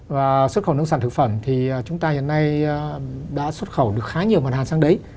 và xuất khẩu nông sản thực phẩm thì chúng ta hiện nay đã xuất khẩu được khá nhiều mặt hàng sang đấy